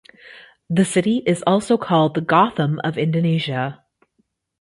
The city is also called the Gotham of Indonesia.